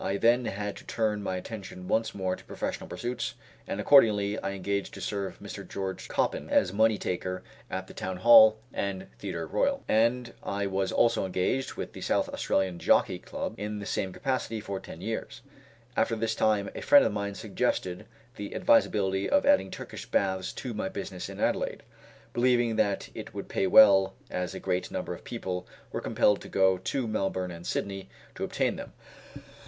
I then had to turn my attention once more to professional pursuits, and accordingly I engaged to serve Mr. George Coppin as money taker at the Town Hall and Theatre Royal; and I was also engaged with the South Australian Jockey Club in the same capacity for ten years. About this time a friend of mine suggested the advisability of adding Turkish baths to my business in Adelaide, believing that it would pay well, as a great number of people were compelled to go to Melbourne and Sydney to obtain them.